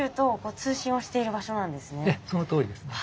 ええそのとおりですね。